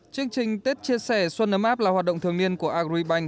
chương trình tết chia sẻ xuân ấm áp là hoạt động thường niên của agribank